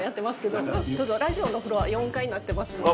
どうぞラジオのフロア４階になってますので。